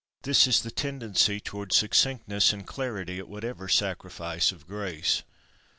This is the tendency toward succinctness [Pg159] and clarity, at whatever sacrifice of grace.